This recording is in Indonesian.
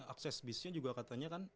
akses bisnya juga katanya kan